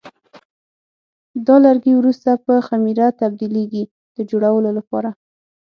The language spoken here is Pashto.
دا لرګي وروسته په خمېره تبدیلېږي د جوړولو لپاره.